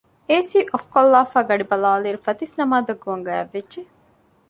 އޭސީ އޮފްކޮށްލާފައި ގަޑިބަލައިލިއިރު ފަތިސްނަމާދަށް ގޮވަން ގާތްވެއްޖެ